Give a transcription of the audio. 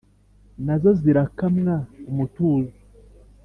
nazo zirakamwa umutuzo,